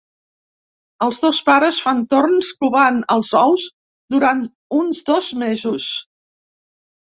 Els dos pares fan torns covant els ous, durant uns dos mesos.